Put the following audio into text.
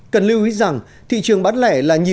cần lưu ý rằng thị trường bán lẻ là những thị trường bán lẻ